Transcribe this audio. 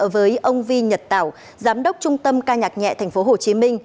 với ông vi nhật tảo giám đốc trung tâm ca nhạc nhẹ tp hcm